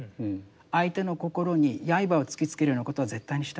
相手の心に刃を突きつけるようなことは絶対にしてはならない。